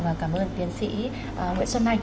và cảm ơn tiến sĩ nguyễn xuân anh